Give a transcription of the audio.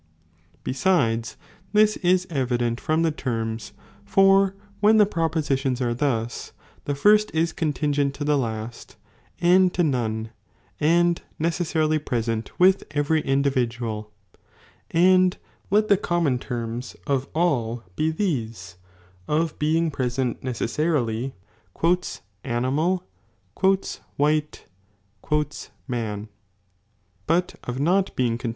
Besides, tlua is evident from the terms, for when the propo sitions are thus, the first is contingent to the last, and to none, and oecessarily present with every individual, and let the NiaimoD terms of all be these; of being present necessarily' "animal," "white," "man, "but of not being con ,„